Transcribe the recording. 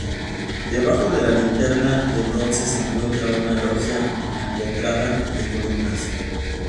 Debajo de la linterna de bronce se encuentra una logia empotrada de columnas.